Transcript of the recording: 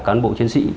của ban bộ chuyên sĩ